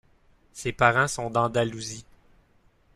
Ses parents sont d'Andalousie.